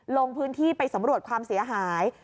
ลงพื้นที่ไปสำรวจความเสียหาย